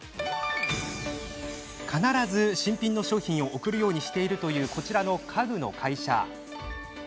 必ず新品の商品を送るようにしているというこちらの家具の会社。